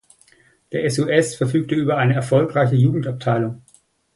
Der SuS verfügte aber über eine erfolgreiche Jugendabteilung.